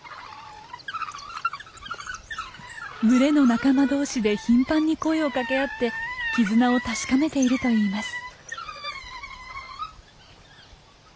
群れの仲間同士で頻繁に声を掛け合って絆を確かめているといいます。